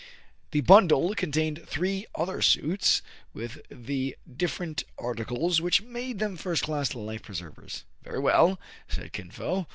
The bundle contained three other suits, with the different articles which made them first class life preservers. " Very well/* said Kin Fo.